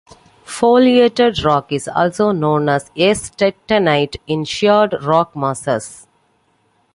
Foliated rock is also known as S-tectonite in sheared rock masses.